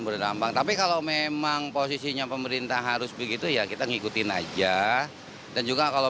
berdampak tapi kalau memang posisinya pemerintah harus begitu ya kita ngikutin aja dan juga kalau